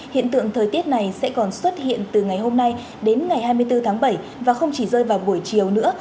hiện tượng thời tiết này sẽ còn xuất hiện từ ngày hôm nay đến ngày hai mươi bốn tháng bảy và không chỉ rơi vào buổi chiều nữa